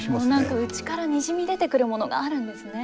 何か内からにじみ出てくるものがあるんですね。